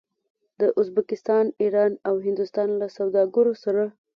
د ازبکستان، ایران او هندوستان له سوداګرو سره